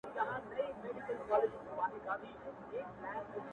مـــــه كـــــوه او مـــه اشـــنـــا ـ